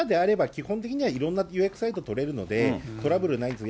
基本的にはいろんな予約サイト取れるので、トラブルないんです。